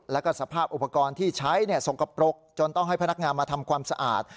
แล้วก็สภาพอุปกรณ์ที่ใช้สกปรกจนต้องให้พนักงานมาทำความสะอาด